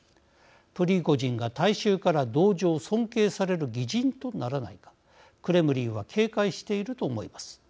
プリゴジンが大衆から同情尊敬される義人とならないかクレムリンは警戒していると思います。